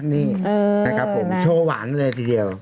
นี่นะครับผมโชว์หวานเลยทีเดียว